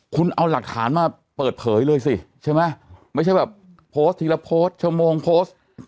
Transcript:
คุณเอาหลักฐานมาเปิดเผยเลยสิใช่ไหมไม่ใช่แบบโพสต์ทีละโพสต์ชั่วโมงโพสต์